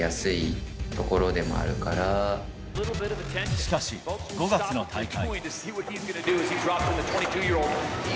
しかし、５月の大会。